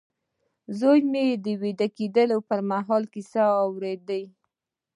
زوی مې د ويده کېدو پر مهال کيسې اورېدې.